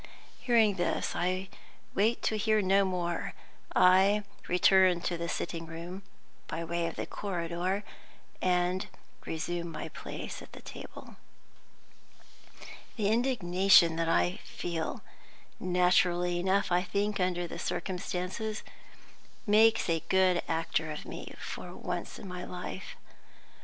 Hearing this, I wait to hear no more. I return to the sitting room (by way of the corridor) and resume my place at the table. The indignation that I feel naturally enough, I think, under the circumstances makes a good actor of me for once in my life.